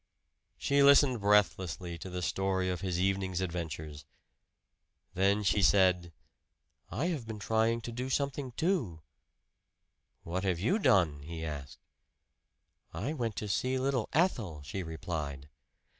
She listened breathlessly to the story of his evening's adventures. Then she said, "I have been trying to do something, too." "What have you done?" he asked. "I went to see little Ethel," she replied.